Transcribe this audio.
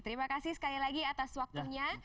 terima kasih sekali lagi atas waktunya